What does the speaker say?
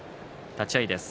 立ち合いです。